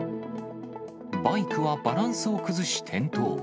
バイクはバランスを崩し転倒。